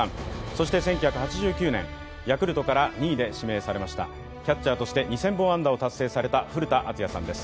そして１９８９年、ヤクルトから２位で指名されましたキャッチャーとして２０００本安打を達成された古田敦也さんです。